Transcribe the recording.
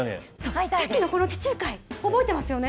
さっきのこの地中海、覚えていますよね？